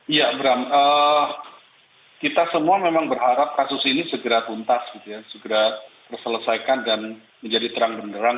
iya bram kita semua memang berharap kasus ini segera tuntas segera terselesaikan dan menjadi terang benerang